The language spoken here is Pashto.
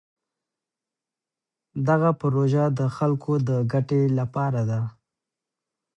دغه پروژه د خلکو د ګټې لپاره ده.